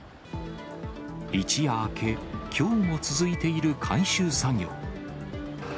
一夜明け、きょうも続いている回収作業。